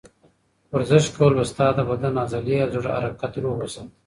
ورزش کول به ستا د بدن عضلې او د زړه حرکت روغ وساتي.